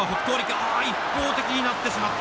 ああ、一方的になってしまった。